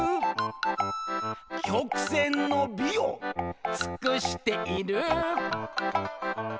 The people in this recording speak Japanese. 「曲線の美を尽している」